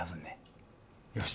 よし。